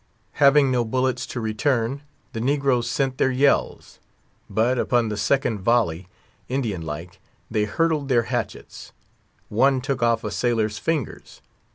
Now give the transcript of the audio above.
Having no bullets to return, the negroes sent their yells. But, upon the second volley, Indian like, they hurtled their hatchets. One took off a sailor's fingers.